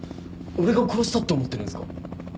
俺が殺したって思ってるんすか？